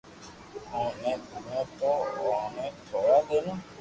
اوني ديتو تو اوني تونا ديتو